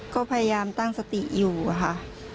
ก็พยายามตั้งสติอยู่ค่ะ